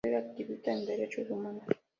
Fue activista de derechos humanos.